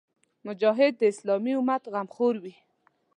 مجاهد د اسلامي امت غمخور وي.